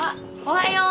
おはよう。